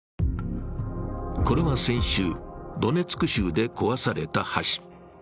これは先週、ドネツク州で壊された橋。